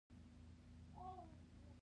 د ميرويس خان سترګې رډې راوختې.